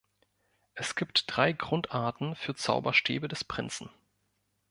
Es gibt drei Grundarten für Zauberstäbe des Prinzen.